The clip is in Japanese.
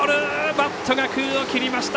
バットが空を切りました。